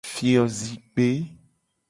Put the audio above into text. Fiozikpe.